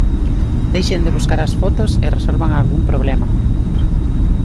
Deixen de buscar as fotos e resolvan algún problema.